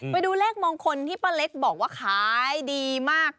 ไปดูเลขมงคลที่ป้าเล็กบอกว่าขายดีมาก